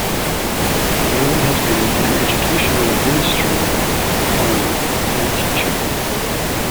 Bailey has been an educational administrator, a farmer, and a teacher.